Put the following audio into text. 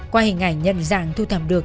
qua hình ảnh nhận dạng thu thẩm được